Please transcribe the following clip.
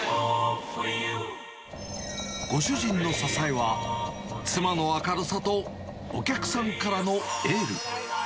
ご主人の支えは、妻の明るさとお客さんからのエール。